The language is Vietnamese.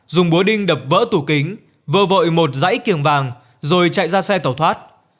dùng búa đinh đập vỡ tủ kính vơ vội một dãy kiềng vàng rồi chạy ra xe tẩu thoát